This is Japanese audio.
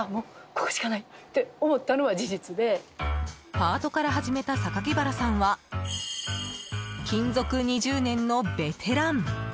パートから始めた榊原さんは勤続２０年のベテラン。